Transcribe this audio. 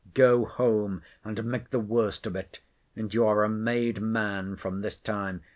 Go home, and make the worst of it, and you are a made man from this time.